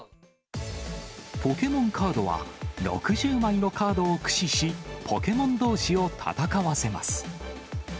ポケモンカードは、６０枚のカードを駆使し、ポケモンどうしを戦わせます。